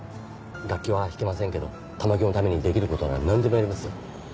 楽器は弾けませんけど玉響のためにできることなら何でもやりますよ。